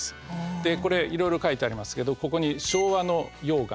でこれいろいろ書いてありますけどここに昭和の溶岩